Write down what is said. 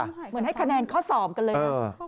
เหมือนให้คะแนนเพราะสอบกันเลย